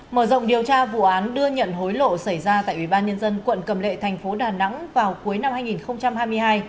mở rộng điều tra vụ án đưa nhận hối lộ xảy ra tại ubnd quận cầm lệ thành phố đà nẵng vào cuối năm hai nghìn hai mươi hai